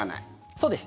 そうです。